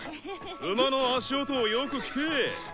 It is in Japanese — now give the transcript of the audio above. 馬の足音をよく聴け！